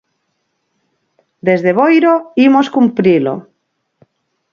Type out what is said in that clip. Desde Boiro imos cumprilo.